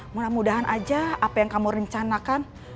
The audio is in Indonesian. mudah mudahan aja apa yang kamu rencanakan